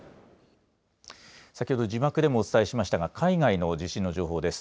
先ほど字幕でもお伝えしましたが海外の地震の情報です。